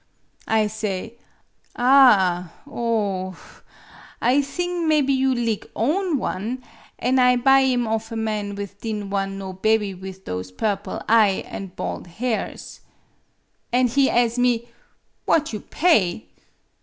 ' I say : 'Ah oh ahf I thing mebby you lig own one, an' I buy 'im of a man what din' wan' no bebby with those purple eye an' bald hairs.' An' he as' me, 'What you pay?'